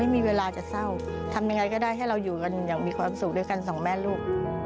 ไม่มีเวลาจะเศร้าทำยังไงก็ได้ให้เราอยู่กันอย่างมีความสุขด้วยกันสองแม่ลูก